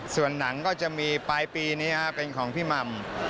ส่วนหนังก็จะมีปลายปีนี้เป็นของพี่หม่ำ